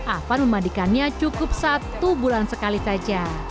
avan memandikannya cukup satu bulan sekali saja